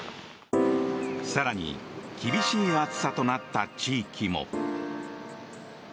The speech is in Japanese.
更に、厳しい暑さとなった地域も。